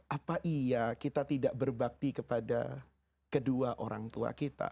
apa iya kita tidak berbakti kepada kedua orang tua kita